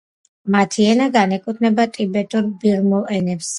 მათი ენა განეკუთვნება ტიბეტურ-ბირმულ ენებს.